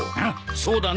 そうだね。